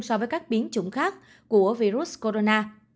so với các biến chủng khác của virus corona